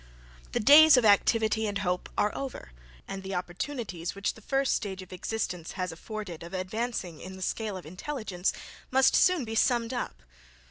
The days of activity and hope are over, and the opportunities which the first stage of existence has afforded of advancing in the scale of intelligence, must soon be summed up.